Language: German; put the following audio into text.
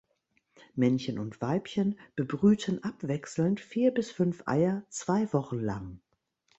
Männchen und Weibchen bebrüten abwechselnd vier bis fünf Eier zwei Wochen lang.